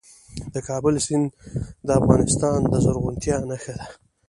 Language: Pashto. د کابل سیند د افغانستان د زرغونتیا نښه ده.